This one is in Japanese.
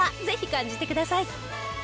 ぜひ感じてください。